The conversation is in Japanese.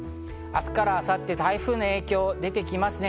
明日から明後日、台風の影響が出てきますね。